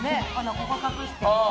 ここを隠して。